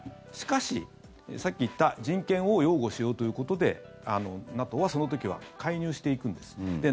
しかし、さっき言った人権を擁護しようということでＮＡＴＯはその時は介入していくんです。